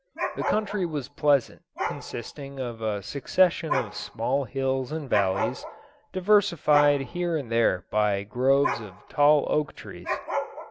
The country was pleasant, consisting of a succession of small hills and valleys, diversified here and there by groves of tall oak trees.